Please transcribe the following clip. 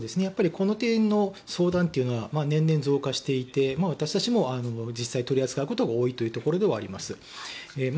この点の相談っていうのは年々増加していて私たちも実際、取り扱うことが多いということになります。